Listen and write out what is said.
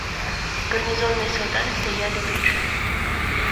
Гарнизонные солдаты стояли тут же.